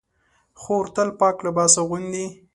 خور تل پاک لباس اغوندي.